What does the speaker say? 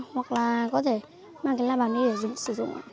hoặc là có thể mang cái la bàn đi để sử dụng